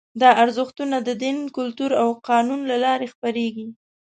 دا ارزښتونه د دین، کلتور او قانون له لارې خپرېږي.